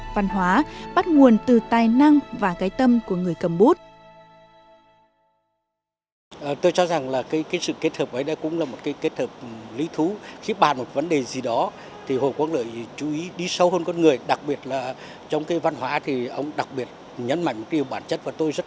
văn hóa bắt nguồn từ tài năng và cái tâm của người cầm bút